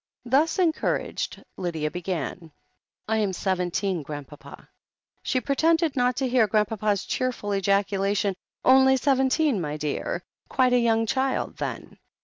Thus encouraged, Lydia began. "I am seventeen. Grandpapa." She pretended not to hear Grandpapa's cheerful ejaculation, "Only seventeen, my dear ? Quite a young child, then."